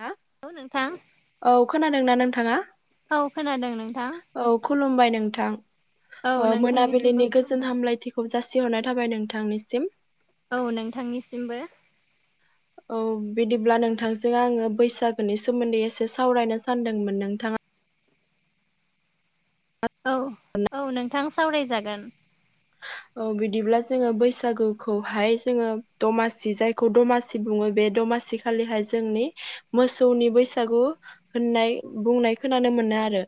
हा औ नोंथां औ खोनादोंना नोंथाङा औ खोनादों नोंथां औ खुलुमबाय नोंथां औ नोंथांनिसिमबो मोनाबिलिनि गोजोन खुलुमबाय हामलायथिखौ जासिहरनाय थाबाय नोंथांनिसिम। औ नोंथांनिसिमबो औ बिदिब्ला नोंथांजों आङो बैसागोनि सोमोन्दै एसे सावरायनो सानदोंमोन नोंथाङा औ औ नोंथां सावरायजागोन। औ बिदिब्ला जोंङो बैसागुखौहाय जोंङो दमासि जायखौ दमासि बुङो बे दमासि खालिहाय जोंनि मोसौनि बैसागु होननाय बुंनाय खोनानो मोनो आरो।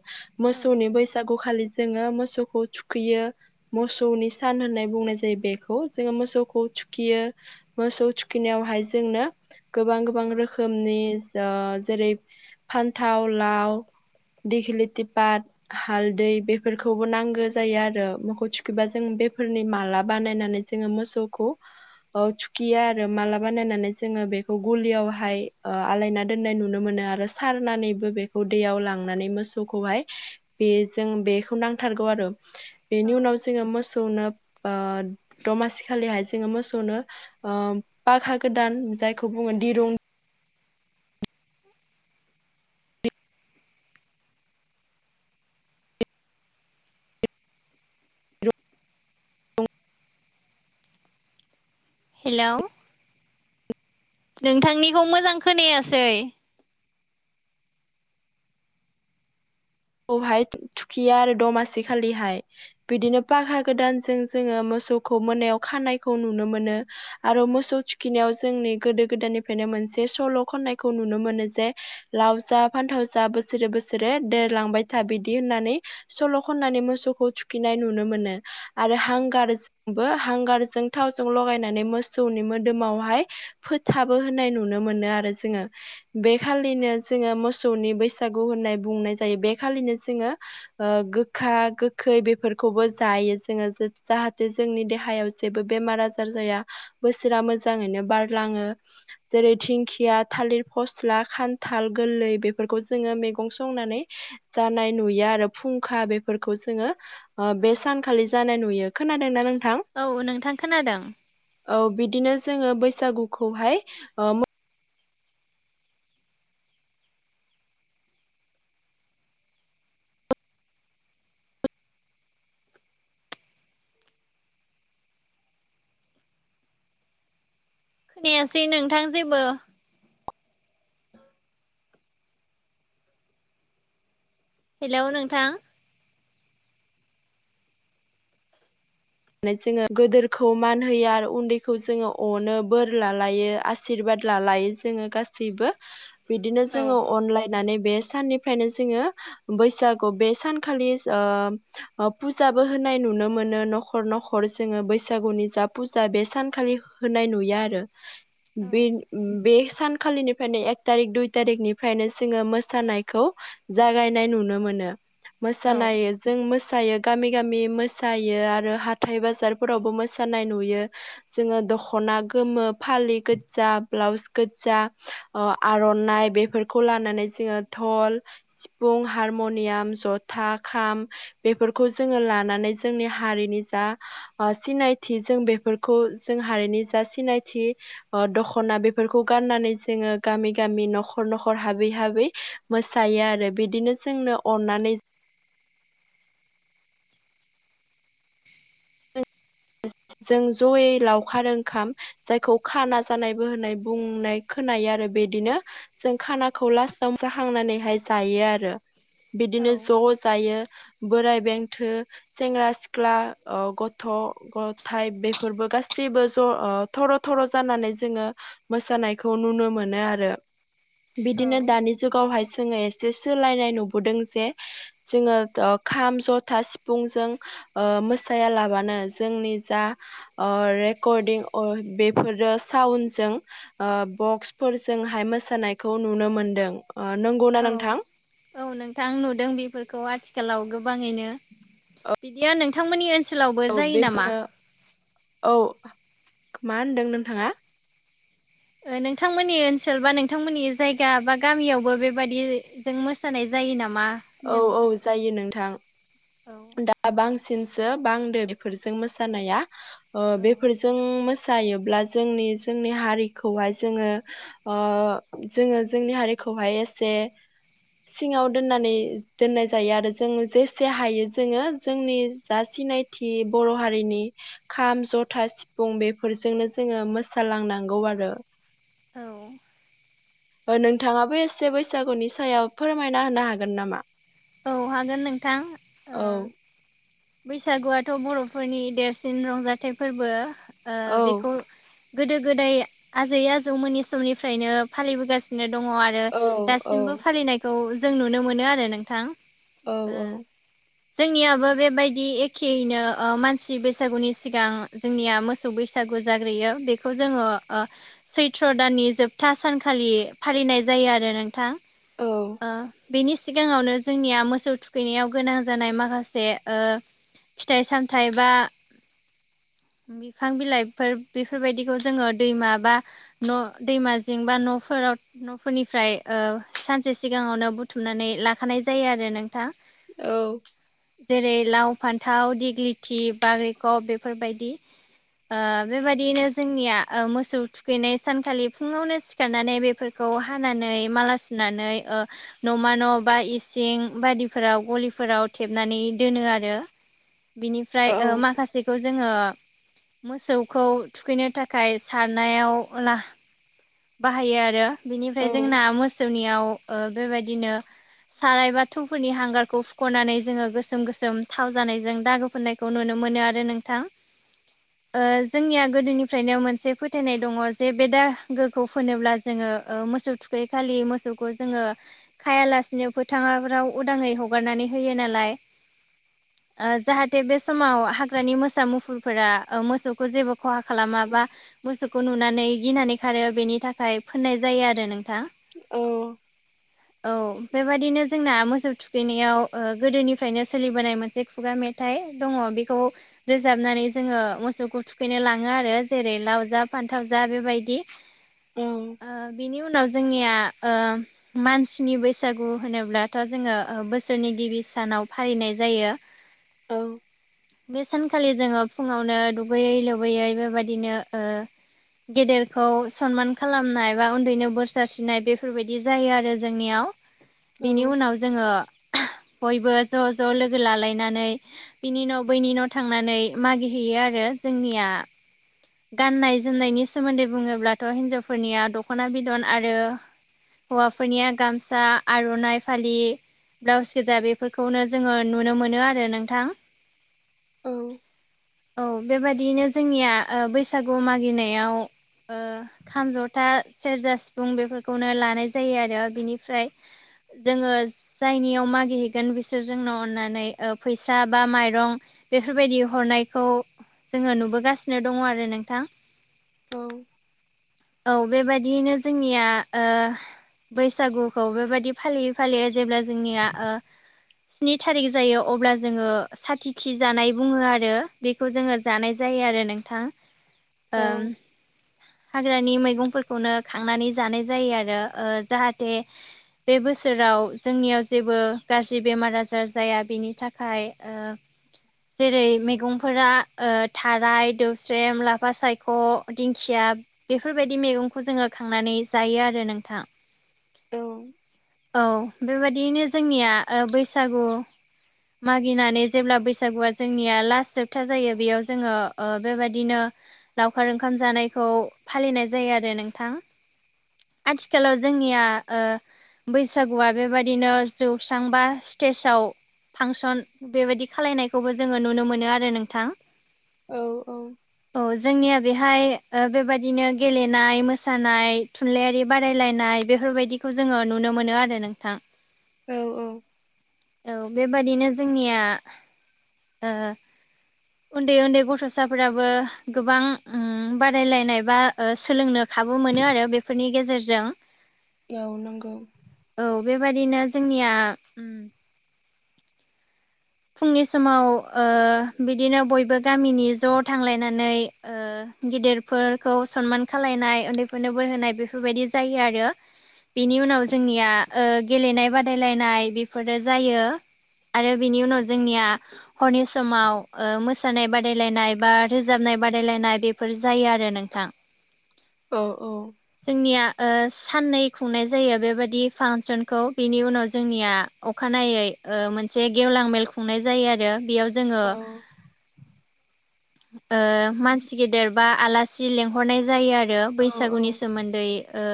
औ मोसौनि बैसागुखालि जोंङो मोसौखौ थुखैयो मोसौनि सान होननाय बुंनाय जायो बेखौ जोंङो मोसौखौ थुखियो मोसौ थुखिनायावहाय जोंनो गोबां गोबां रोखोमनि जेरै फान्थाव लाव दिघिलिति पात हालदै बेफोरखौबो नांगो जायो आरो मोखौ थुखैबा जों बे फोरनि माला बानायनानै जोंङो मोसौखौ थुखिया आरो मालाबाानायनायनानै जोंङो बेखौ गलियावहाय आलायना दोननाय नुनो मोनो आरो सारनानैबो बेखौ दैयाव लांनानै मोसौखौहाय बे जों बेखौ नांथारगौ आरो औ बेनि उनाव जोंङो मोसौनो ओ दमासि खालिहाय जोंङो मोसौनो पाखा गोदान जायखौ बुङो दिरुं [inaudible] हेलौ नोंथांनिखौ मोजां खोनायासै खौहाय थुखिया आरो दमासि खालिहाय बिदिनो पागा गोदानजों जोंङो मोसौखौ मोनायाव खानायखौ नुनो मोनो। आरो औ मोसौ थुखिनायाव जोंनि गोदो गोदायनिफ्रायनो मोनसे सल' खननायखौ नुनो मोनो जे लावसा फान्थावसा बोसोरे बोसोरे देर लांबाय था बिदि होननानै सल' खननानै मोसौखौ थुखैनाय नुनो मोनो। आरो हांगारजोंबो हांगारजों थावजों लगायनानै मोसौनि मोदोमावहाय फोथाबो होननाय नुनो मोनो आरो जोङो। बेखालिनो जोङो मोसौनि बैसागु होननाय बुंनाय जायो बे खालिनो जोङो ओ गोखा गोखै बेफोरखौबो जायो जोङो जाहाथे जोंनि देहायाव जेबो बेमार आजार जाया बोसोरा मोजाङैनो बारलाङो। जेरै थिंखिया थालिर फस्ला खान्थाल गोरलै बेफोरखौ जोङो मैगं संनानै जानाय नुयो आरो फुंखा बेफोरखौ जोङो ओ औ बे सानखालि जानाय नुयो। खोनादों ना नों औ नोंथां खोनादों। औ बिदिनो जोङो बैसागुखौहाय ओ खोननायासै नोंथां जेबो। [inaudible] हेल' नोंथां जोङो गोदोरखौ मान होयो आरो उन्दैखौ जोङो अनो बोर लालायो आशिरबाद लालायो जोङो गासैबो बिदिनो औ जोङो अनलायनानै बे साननि निफ्रायनो जोङो बैसागु बे सानखालि ओ ओ फुजाबो होनाय नुनो मोनो न'ख नखर न'खर जोङो बैसागुनि जा फुजा बे सानखालि होनाय नुयो आरो। औ बे बे सानखालिनि बेफ्रायनो एक थारिक दुइ थारिकनिफ्रायनो जोङो मोसानायखौ जागायनाय नुनो मोनो। मोसानाय जों मोसायो गामि गामि मोसायो आरो हाथाय बाजारफोरावबो मोसानाय नुयो। जोङो दख'ना गोमो फालि गोजा ब्लाउस गोजा ओ आर'नाइ बेफोरखौ लानानै जोङो धल सिफुं हारम'नियाम जथा खाम बेफोरखौ जोङो लानानै जोंनि हारिनि जा ओ सिनायथि जों बेफोरखौ जों हारिनि जा सिनायथि ओ दख'ना बेफोरखौ गाननानै जोङो गामि गामि न'खर न'खर हाबै हाबै मोसायो आरो बिदिनो जोंनो अननानै जों जयै लावखार ओंखाम जायखौ खाना जानाय बो होनाय बुंनाय खोनायो आरो बिदिनो जों खानाखौ लास्टाव जाहांनानैहाय जायो आरो औ बिदिनो ज' जायो बोराइ बेन्थो सेंग्रा सिख्ला ओ गथ' गथाइ बेफोरबो गासैबो ज' ओ थर' थर' जानानै जोङो मोसानायखौ नुनो मोनो आरो बिदिनो दानि जुगावहाय जोङो एसे सोलायनाय नुबोदों जे जोङो ओ खाम जथा सिफुंजों ओ मोसायालाबानो जोंनि जा ओ रेकर्डिं बेफोरो साउन्डजों ओ बक्सफोरजोंहाय मोसानायखौ नुनो मोनदों ओ नंगौनाा औ नोंथां? औ नोंथां नुदों बेफोरखौ आथिखालाव गोबाङैनो। बेयो नोंथांमोननि ओनसोलावबो औ बे जायो नामा? जोङो औ मा होनदों नोंथाङा? ओ नोंथांमोननि ओनसोल बा नोंथांमोननि जायगा बा गामियावबो बेबादि जों मोसानाय जायो नामा औ होनदों औ जायो नोंथां [inaudible] औ। बांसिनसो बांदो बेफोरजों मोसानाया ओ बेफोर जों मोसायोब्ला जोंनि जोंनि हारिखौहाय जोङो ओ जोङो जोंनि हारिखौहाय एसे सिङाव दोननानै दोननाय जायो आरो जों जेसे हायो जोङो जोंनि जा सिनायथि बर' हारिनि खाम जथा सिफुं बेफोरजोंनो जोङो मोसालांनांगौ आरो। औ। नोंथाङाबो एसे बैसागुनि सायाव फोरमायना होनो हागोन नामा? औ हागोन नोंथां ओ औ बैसागुआथ' बर'फोरनि देरसिन रंजाथाइ फोरबो ओ औ बेखौ गोदो गोदाय आजै आजौमोननि समनिफ्रायनो फालिबोगासिनो दङ आरो। आरो औ औ दासिमबो फालिनायखौ जों नुनो मोनो आरो नोंथां ओ। औ जोंनियाबो बेबायदि एखेयैनो मानसि बैसागुनि सिगां जोंनिया मोसौ बैसागु जाग्रोयो बेखौ जोङो ओ सैथ्र' दाननि जोबथा सानखालि फालिनाय जायो आरो नोंथां। औ ओ बेनि सिगाङावनो जोंनिया मो मोसौ थुखैनायाव गोनां जानाय माखासे फिथाइ सामथाइ बा बिफां बिलाइफोर बेफोरबायदिखौ जोङो दैमा बा न' दैमा जिं बा न'फोराव न'फोरनिफ्राय ओ सानसे सिगाङावनो बुथुमनानै लाखानाय जायो आरो नोंथां। औ जेरै लाव फान्थाव दिगलिथि बाग्रिखब बेफोरबायदि। बेबायदियैनो जोंनिया मोसौ थुखैनाय सानखालि फुङावनो सिखारनानै बेफोरखौ हानानै माला सुनानै ओ न'मा न' बा इसिं बायदि फोराव गलिफोराव थेबनानै दोनो आरो बिनिफ्राय औ माखासे सेखौ जोङो मोसौखौ थुखैनो थाखाय सारनायाव ला बाहायो आरो औ बेनिफ्राय जोंना मोसौनियाव बेबायदिनो साराय बा थौ फोरनि हांगारखौ फुख'नानै जोङो गोसोम गोसोम थाव जानायजों दागो फोननायखौ नुनो मोनो आरो नोंथां। [inaudible] ओ जोंनिया गोदोनिफ्रायनो मोनसे फोथायनाय दङ जे बे दागोखौ फोनोब्ला जोङो मोसौ थु खैखालि मोसौखौ जोङो खायालासिनो फोथाराव उदाङै हगारनानै होयो नालाय। [inaudible] जाहाथे बे समाव हाग्रानि मोसा मुफुरफोरा मोसौखौ जेबो खहा खालाम बा मोसौखौ नुनानै गिनानै खारो बेनि थाखाय फोननाय जायो आरो नोंथां। औ औ बेबायदिनो जोंना मो मोसौ थुखैनायाव गोदोनिफ्रायनो सोलिबोनाय मोनसे खुगा मेथाइ दङ बेखौ रोजाबनानै जोङो मोसौखौ थुखैनो लाङो आरो जेरै लाव जा फान्थाव जा बेबायदि। औ ओ बिनि उनाव जोंनिया मानसिनि बैसागु होनोब्लाथ' जोङो बोसोरनि गिबि सानाव फालिनाय जायो। औ। बे सानखालि जोङो फुङावनो दुगैयै लोबैयै बेबदिनो ओ गेदेरखौ सनमान खालामनाय बा उन्दैनो बोर सारस्रिनाय बेफोरबायदि जायो आरो जोंनियाव। औ बिनि उनाव जोङो बयबो ज' ज' लोगो लालायनानै बिनि उन' बैनिन' थांनानै मागि हैैयो आरो जोंनिया गाननाय जोमनायनि सोमोन्दै बुङोब्लाथ' हिनजावफोरनिया दख'ना बिदन आरो हौवाफोरनिया गामसा आर'नाइ फालि। ब्लाउस गोजा बेफोरखौनो जोङो नुनो मोनो आरो नोंथां। औ औ बेबादियैनो जोंनिया बैसागु मागिनायाव ओ खाम जथा सेरजा सिफुं बेफोरखौनो लानाय जायो आरो बिनिफ्राय जोङो जायनियाव मागिहैगोन बिसोर जोंनो अननानै फैसा बा माइरं बेफोरबायदि हरनायखौ जोङो नुबोगासिनो दङ आरो नोंथां। औ। औ बेबायदियैनो जोंनिया ओ बैसागुखौ बेबायदि फालियै फालियै जेब्ला जोंनिया ओ स्नि थारिख जायो अब्ला जोङो साखिखि जानाय बुङो आरो बि खौ जोङो जानाय जायो आरो नोंथां औ ओं। हाग्रानि मैगंफोरखौनो खांनानै जानाय जायो आरो ओ जाहाथे। बे बोसोराव जोंनियाव जेबो गाज्रि बेमार आजार जाया बिनि थाखाय ओम। जेरै मैगंफोरा ओ थाराय दोवस जेम लाफा सायख' दिंखिया। इफोरबायदि मेगंखौ जोङो खांनानै जायो आरो नोंथां। औ। औ बेबायदियैनो जोंनिया ओ बैसागु। मागिनानै जेब्ला बैसागुआ जोंनिया लास्ट जोबथा जायो बेयाव जोङो ओ बेबायदिनो। लावखार ओंखाम जानायखौ फालिनाय जायो आरो नोंथां। आथिखालाव जोंनिया ओ बैसागुआ बेबायदिनो जौस्रांबा सिटेसयाव। फांसन बेबायदि खालायनायखौबो जोङो नुनो मोनो आरो नोंथां। औ औ। औ जोंनिया बेहाय ओ बेबायदिनो गेलेनाय मोसानाय थुनलाइयारि बादायलायनाय बेफोरबायदिखौ जोङो नुनो मोनो आरो नोंथां। औ औ औ बेबादिनो जोंनिया ओ [inaudible] उन्दै उन्दै गथ'साफोराबो गोबां उम बादायलायनायबा ओ सोलोंनो खाबु मोनो आरो बेफोरनि गेजेरजों औ नंगौ औ बेबादिनो जोंनिया उम फुंनि समाव ओ बिदिनो बयबो गामिनि ज' थांलायनानै ओ गिदिरफोरखौ सनमान खालायनाय उन्दैफोरनो बोरहोनाय बिफोरबायदि जायो आरो। बिनि उनाव जोंनिया ओ गेलेनाय बादायलायनाय बेफोरो जायो आरो बिनि उनाव जोंनिया हरनि समाव ओ मोसानाय बादायलायनाय बा रोजाबनाय बादायलायनाय बेफोर जायो आरो नोंथां। औ औ जोंनिया ओ साननै खुंनाय जायो बेबायदि फांसनखौ बिनि उनाव जोंनिया अखानायै ओ मोनसे गेवलां मेल खुंनाय जायो आरो बेयाव जोङो नंगौ ओ मानसि गेदेर बा आलासि लेंहरनाय जायो आर [unintelligible] औ बैसागुनि सोमोन्दै ओ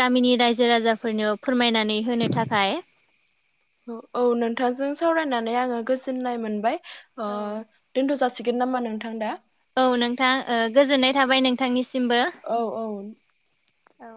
गामिनि रायजो राजाफोरनो फोरमायनानै होनो थाखाय औ नोंथांजों सावरायनानै आङो गोजोननाय मोनबाय। ओ औ दोनथ' जासिगोन नामा नोंथां दा? औ नोंथां ओ गोजोननाय थाबाय नोंथांनिसिमबो औ औ औ